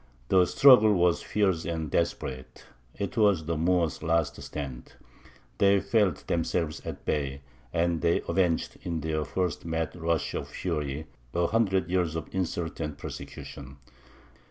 The struggle was fierce and desperate: it was the Moors' last stand; they felt themselves at bay, and they avenged in their first mad rush of fury a hundred years of insult and persecution.